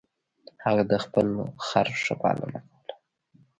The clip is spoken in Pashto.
هغه د خپل خر ښه پالنه کوله.